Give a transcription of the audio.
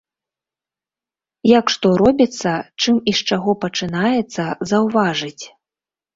Як што робіцца, чым і з чаго пачынаецца, заўважыць.